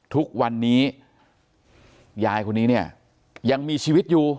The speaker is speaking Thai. ทุกวันนี้ยายคนนี้เนี่ยยังมีชีวิตอยู่